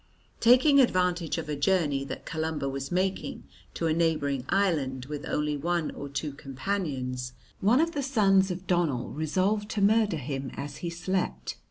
Taking advantage of a journey that Columba was making to a neighbouring island with only one or two companions, one of the sons of Donnell resolved to murder him as he slept.